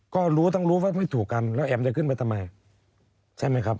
ก็รู้ต้องรู้ว่าไม่ถูกกันแล้วแอมจะขึ้นไปทำไมใช่ไหมครับ